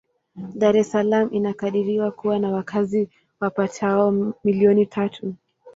Dar es Salaam inakadiriwa kuwa na wakazi wapatao milioni tatu.